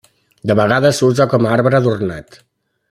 De vegades s'usa com arbre d'ornat.